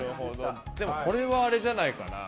これはあれじゃないかな。